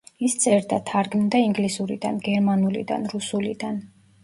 ის წერდა, თარგმნიდა ინგლისურიდან, გერმანულიდან, რუსულიდან.